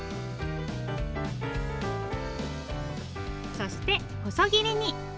そして細切りに。